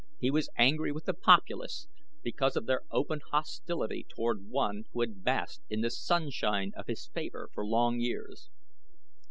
He was angry with the populace because of their open hostility toward one who had basked in the sunshine of his favor for long years.